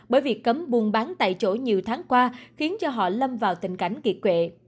bởi việc cấm buôn bán tại chỗ nhiều tháng qua khiến họ lâm vào tình cảnh kỳ quệ